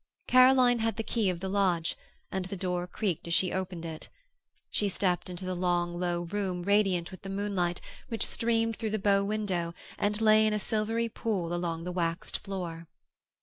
Caroline had the key of the lodge, and the door creaked as she opened it. She stepped into the long, low room radiant with the moonlight which streamed through the bow window and lay in a silvery pool along the waxed floor.